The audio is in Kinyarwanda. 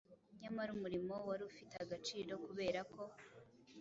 nyamara umurimo wari ufite agaciro kubera ko,